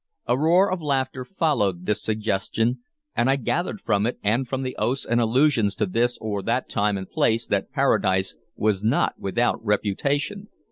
A roar of laughter followed this suggestion, and I gathered from it and from the oaths and allusions to this or that time and place that Paradise was not without reputation.